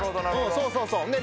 そうそうそう。